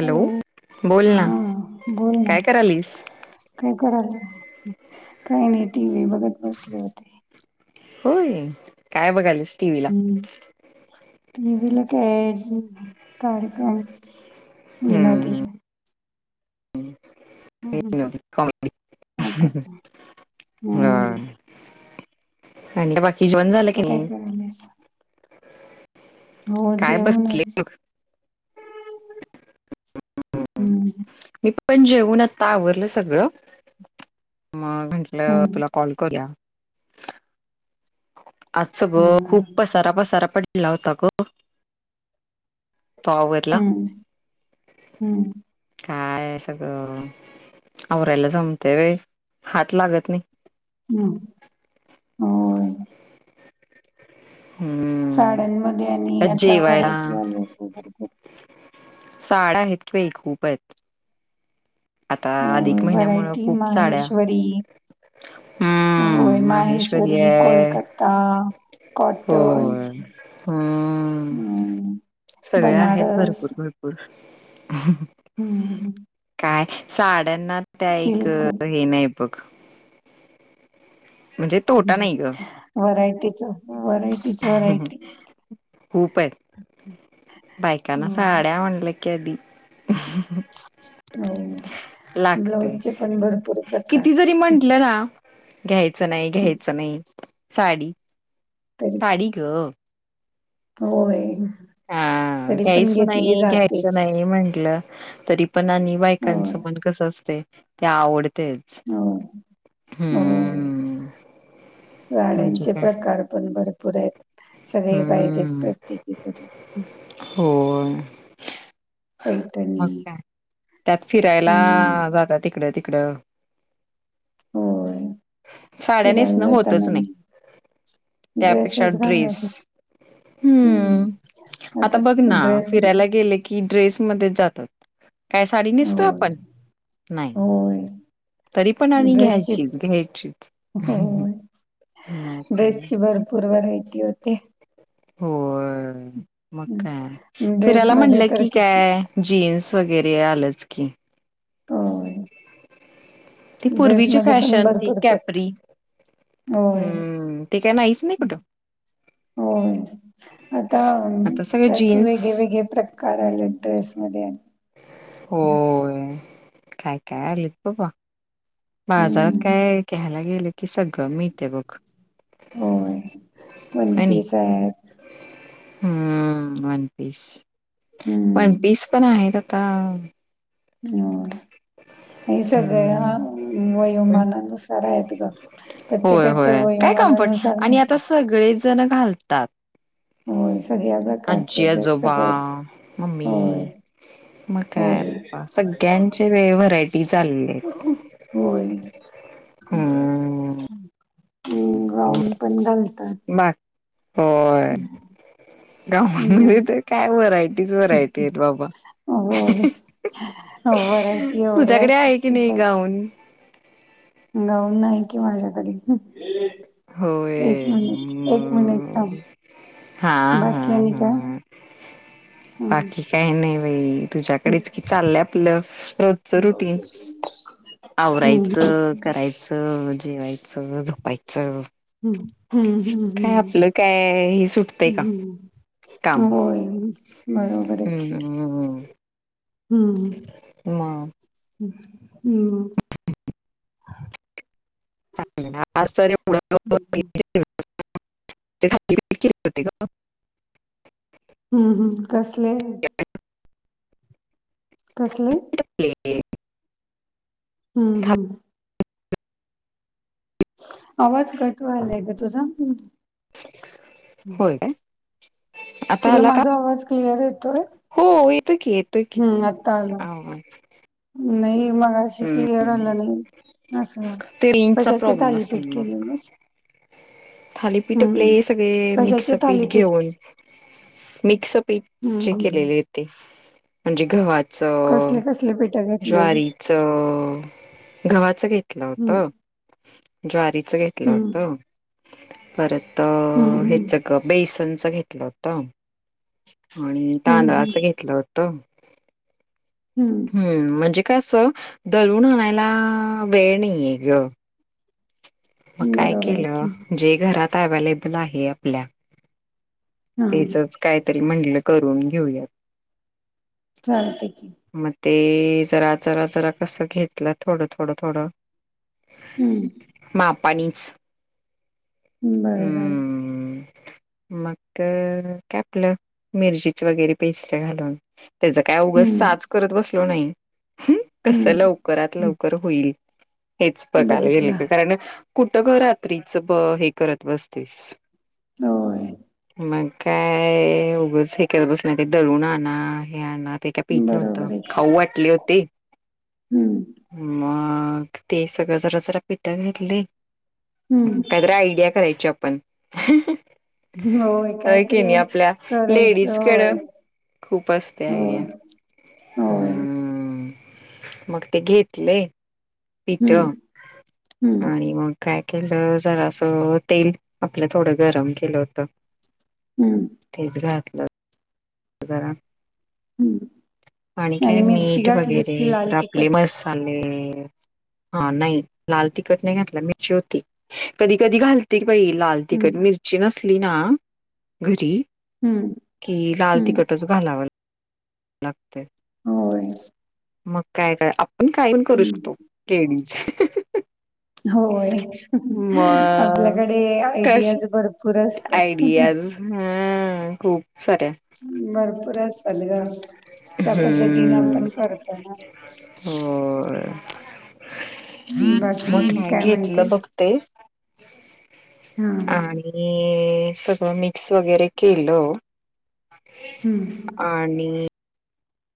Hello! बोल ना. हा बोल ना काय करालीस? काय करालय? काही नाही टी. व्ही. बघत बसले होते. होय काय बघालस टी. व्ही.? टी. व्हीला काय कार्यक्रम. हम्म विनोदीची. हम्म, [unintelligible] आता हा हम्म [inaudible] [unintelligible] तू की काय नाही कराल्यास? हो काय बसले जेवणंच. हम्म. मी पण जेऊण आता आवरलं सगळं, मग म्हंटलं हम्म तुला कॉल करुया. आजच बघ हा, खुप पसारा पसारा पळ ला होता गं. तो आवरला. हम्म हम्म काय सगळं आवरायला जमते होय. हात लागत नाही. हम हो. हम्म साड्यांमध्ये आणि त्यात आता जेवायला व्हरायटी आली असेल. साड्या आहेत की बाई. खूप आहेत. आता अ अधिक महिन्यामुळं व्हरायटी खूप साड्या माहेश्वरी, होय. हम्म माहेश्वरी, आहे कोलकत्ता कॉटन. होय. हम्म. हम. सगळे आहेत भरपूर भरपूर. हम्म ह. काय साड्यांना त्या एक सिल्क हे नाही बघ. म्हणजे तोटा नाही ग व्हरायटीच व्हरायटी व्हरायटी. खूप आहेत. बायकाना होय. साड्या म्हटलं की आधी. हो ब्लाऊजचे लागतच. पण भरपूर किती प्रकार जरी म्हंटलं ना, घ्यायचं नाही. हम्म. घ्यायचं नाही. साडी तरी आई गं. होय. हा तरी पण घ्यायचं घेतली नाही. घ्यायचं जातेच नाही. म्हंटलं तरी प ण आणि बायकांच होय मन कसं असतय ते आवडतयचं. होय. होय. म्हणजे साड्यांचे काय प्रकार पण भरपूर आहेत. सगळे पाहिजेत प्रत्येकीकडे. हो. मग पैठणी का त्यात फिरायला आ हम्म जातात इकडं तिकडं. होय साड्या फिरायला नेसण होतच जाताना नाही. त्यापेक्षा ड्रेसेस ड्रेस घालण्याच हम्म. आता बघ ना, फिरायला गेले की ड्रेस मधेच जातात. काय साडी नेसतो होय, आपण, नाही. होय. तरी पण आणि ड्रेसची घ्यायचीच, घ्यायचीच. होय. मग काय ड्रेसची भरपूर व्हरायटी होते. होय. मग हं. काय, फिरायला ड्रेसमध्ये म्हणलं तर की किती काय जीन्स वगैरे आलंच की. होय. ती पूर्वीची ड्रेसमध्ये पण फॅशन. ती भरपूर प्रकार. कॅपरी. होय, हम्म. ते काय नाहीच, नाही कुठं. होय. आता अं आता सगळं त्यात जीन्स वेगळे वेगळे प्रक कार आल्यात ड्रेसमध्ये. होय. काय, काय आलेत बाबा. बाजारात हं. काय घ्यायला गेलं की, सगळं मिळतय बघ. होय. वन पीस आहेत. हम. One piece. हं. वन पीस पण आहेत आता, होय. हे सगळ्या हम्म ह हं. वयोमानानुसार आहेत ग. होय प्रत्येकाच्या होय काय वयोमानना कम्फर्ट नुसार आणि आता मिळतय. सगळेच धन घालतात. होय, सगळ्या प्रकारचे अज्जी, ड्रेस आजोबा, सगळेच होय. मम्मी म हो काय आता सग ळ्यांचे वे व्हरायटी चाललेत होय हम्. हम् गाउन पण घालतात बा होय ‌. गाऊनमध्ये तर काय व्हरायटीच व्हरायटी आहेत बाबा. होय होय व्हरायटी एवढ्या तुझ्याकडे असतात आहे की नाही बा गाऊन गाऊन नाही कि माझ्याकडे. एक होय मिनिटं एक मिनिटं थांब. हा हा बाकी आणि काय? हा हम्म. बाकी काय नाही बाई. तुझ्याकडेच कि चाललंय आपलं रोजचं हम्म. रुटीन हम्म. आवरायचं करायचं, जेवायचं, झोपायचं. हम् हम्म हम्म काय हम्म आपलं काय हे सुटतंय का हम्म. काम होय, बरोबर आहे. हम्म. हम्म मग हम्म. चाललेलं आज तरी [unintelligible] केलंत ते ग. हम्म हम् कसले? कसले? [unintelligible] हम्म था- हम्म आवाज कट व्हायलाय ग तुझा. होय काय? आता तुला आला का? माझा आवाज क्लिअर येतो? हो येतो की येतो की आत्ता आला आवाज. नाही मगा शी क्लिअर हम्म. आलं नाही असं. ते रेंजचा कशाचे प्रॉब्लेम असेल थालीपीठ मग. केलेलसं? थालीपीठ आपले सगळे मिक्स कशाचे पीठ थालीपीठ घेऊन मिक्स पीठ हम्म चे हम्म केलेले आहेत ते म्हणजे गव्हा कसले कसले पिट घे ज्वारीच, गव्हाचं घेतलं हम्म होतं ज्वारीच घेत घेतलं हम्म होत परत हम्म हम्म हेच बेसनच घेतलं होत आणि हम्म तांदळाचं घेतलं होतं. हम्म. हम् म्हणजे कसं दलून आणायला वेळ नाहीे आहे ग. मग हम्म काय बरोबर आहे की केलं जे घरात अवलेबल आहे आपल्या हा तेचच काहीतरी म्हंटलं करून घेऊयात. चालतय की. मग ते जरा जरा जरा कसं घेतलं थोडं थोडं थोडं हम्म. मापानीच ह बरं झालं मग तर काय आपलं मिरचीची वगैरे पेस्ट घालून त्याच काय उगच हम्म साच करत बसलो नाही ह. हम्म कसं लवकरात हम्म. लवकर होईल हेच बघायला येईल बघितला ग कारण कुठं ग रात्रीच ब हे करत बसतीस. होय. मग काय, उगंच हे करत बसण्यापेक्षा ते दळून आना, हे आना. ते काय पीट नव्हत, बरोबर आहे की खाऊ वाटले होते. हम्म मग, ते सगळं जरा- जरा पिठात घेतले. हम्म काहीतरी आयडिया करायची आपण. ह, ह. होय. काहीतरी करायचं, होय, लेडीजकडं खूप असते हो. आयडिया. हम्म, मग ते घेतले. पिठ हं, हं, आणि मग काय केलं जरा असं, तेल आपलं थोडं गरम केलं होत. हम्म. तेच घातलं. जरा, हं आणि काय मिरची मीठ घातलीस वगैरे, की लाल तर तिखट. आपले मस साले. हा, नाही लाल तिखट नाही घातलं मिरची होती. कधी- कधी घालते बाई लाल हं, तिखट मिरची नसली ना घरी, हं, की लाल हं, काजू घालाव लागतय. होय. मग काय ग, आपण कायपण करू हं, शकतो, ट्रेडिंगच. होय, मग आपल्याकडे आयडियाज भरपूर असतात. हम्म खूप साऱ्या. भरपूर असतात ग, त्या पद्धतीने हम्म आपण करतो ना. होय, बाकी मग आणि का काय घेतलं म्हणतेस? बघते. हा. आणि सगळं मिक्स वगैरे केलं. हम्म. आणि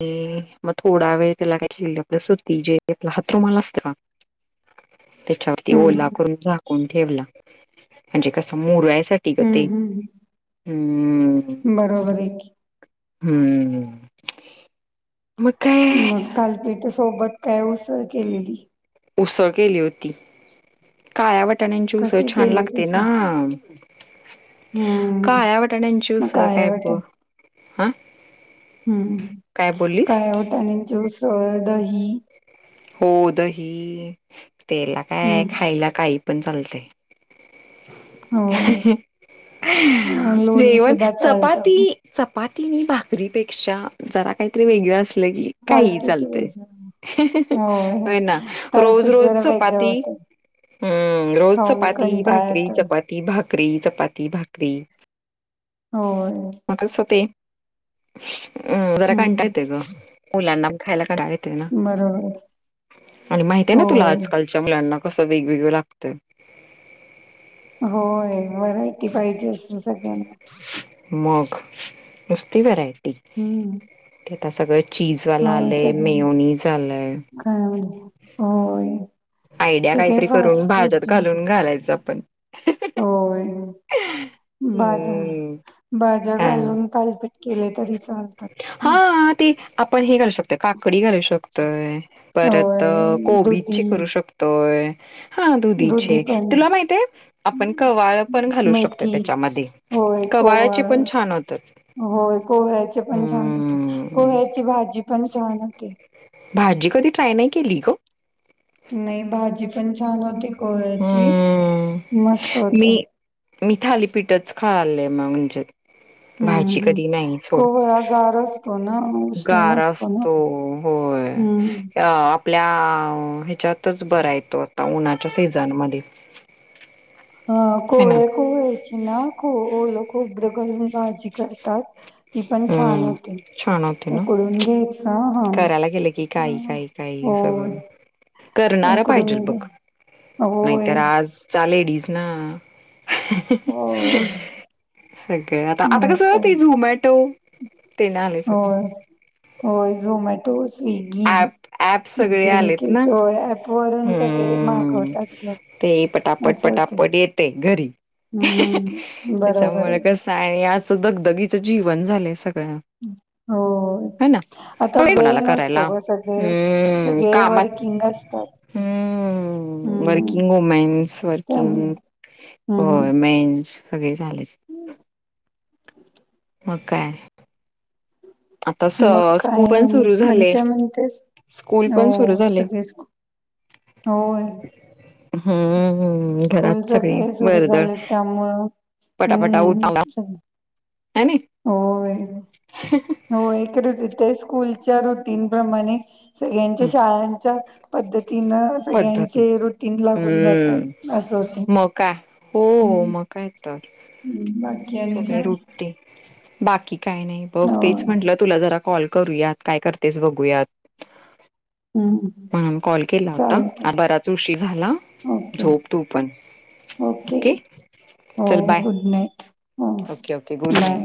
ते मग, थोडा वेळ त्याला काय आपल सुती जे आपला हातरुमाला असतं ना. [unintelligible] त्याच्यावरती हं, ओला करून झाकून ठेवला, म्हणजे कस मुरायसाठी. ते गं हं, ते, हं हम्म, बरोबर आहे की. हम्म. मग काय मग तालपीठ सोबत काय उसळ केलेली? उसळ केली होती, काळ्या वाटाण्यांची उसळ कसली छान केलीस लागते ना. उसळ? हं, काळ्या वाटाण्याची मग उसळ काळ्या काय बो, अ. हम्म, काळ्या वाटाण्यांची उसळ दही हो, दही त्येला काय हम्म खायला काही पण चालतंय. हम्म, हो लोणी जेवन सुद्धा चपाती चालतं चपाती नी भाकरीपेक्षा जरा काहीतरी वेगळं असलं की काहीही थालपीठ चालतय. वेगळं होय हो ना, रोज थालपीठ -रोज जरा वेगळं चपाती होतं हम्म, रोज खाऊन कंटाळा चपाती-भाकरी, येतो चपाती-भाकरी, चपाती-भाकरी. होय. म तसं ते अ जरा कंटाळ हम्म येतोय ग, मुलांना खायला कराय. बरोबर आणि महित आहे ना तुला, होय आजकालच्या मुलांना कसं वेगवेगळ लागतंय. होय, व्हरायटी पाहिजे असते सगळ्यांना. मग, नुसती व्हरायटी. हम्म, तेता सगळं चीजवाला आलंय मियॉनीजझा आलंय. [unintelligible] हा होय आयडिया ते काय काहीतरी फास्ट करून भाज्यात फूडचे घालून घालायचं आपण. होय, भाज्या हम्म भाज्या हा घालून थालीपीट केले तरी चालत. हा, ते आपण हे घालू शकतो काकडी घालू शकतो. तोय परत होय दुधी कोबीची करू शकतोय. हा, दुधी दुधीचे पण तुला माहितय आपण कवाळं पण घालू शकतोय मेथी त्याच्यामध्ये. होय कवाळ्याचे कोवळ पण छान होतात. होय कोहळ्याचे पण छान होते हम्म कोहळ्याची भाजी पण छान होते. भाजी कधी ट्राय नाही केली. ग नाही भाजी पण छान होती कोळ्याची हम्म. मस्त मी होते. मी थालीपीठच खायले मग म्हणजे. [inaudible] हम्म भाजी हम्म, कधी नाही सोड. कोवळा गार असतो ना उष्ण गारा नसतो ना असतो होय. हम्म, अ आपल्या आ ह्याच्यातच बरा तो आता उन्हाच्या सीझनमध्ये. अ है ना. कोहळ्याची [unintelligible] आहे खची ना ख ओल खोब्र घलून भाजी करतात ती पण छान हम्म. होते. छान होते ना उकडून घ्यायच हा करायला गेलं की, काही काही काही होय सगळं. करणार पाहिजे उकडून बघ दे. होय, नाहीतर आज. च्या लेडीज ना होय. सगळ्यात. आता मग कसं काय ते झोमॅटो तेन आले सगळं. [unintelligible] होय झोमॅटो वर स्विगी ऍप ऍप सगळे आलेत ब्लिंकीट ना. तो अप वरूनच सगळे हम्म. मागवतात ग. ते पटापट असं होतंय. पटापट येते घरी. हम्म, '' हं ''बरोबर आहे. काय असं दगदगीचं जीवन झालंय सगळ. होय आता वेळ कोणाला करायला नसतो सा ''--'' वेळ हम्म सगळे वर कामात किंग असतात. हम्म, वर्किंग वुमेन्स त्यामुळे वर्किंग हम्म होय. मेन्स सगळे झाल्यात. मग काय. आता स मग स्कूल काय पण आणि सुरू आणि झाले काय म्हणतेस? स्कूल पण सुरू हो झाले सगळेच खूप होय. हम्म स्कूलच घरात सगळी सगळे सुरू वर्दळ झालय त्यामुळं. पटापटा उठालाय हम्म ह, नै. होय हो एक रुी ते स्कूलच्या रुटीन प्रमाणे. सगळ्यांच्या शाळांच्या पद्धतीनं पद्धती सगळ्यांचे रुटीन लागून जातात. हम्म अस होतय. मग काय हो, हो मग काय तर. हम्म, बर. सगळे रुटीन बाकी काही नाही बघ हो तेच म्हंटलं तुला जरा. कॉल करूयात काय करतेस बघूयात. हम्म हम्म, म्हणून कॉल केला होता, बराचं उशीर झाला, ओके झोप तू पण. ओके, हो चल बाय गुड नाईट, हो okay okay good night. Bye.